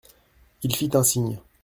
Il fit un signe.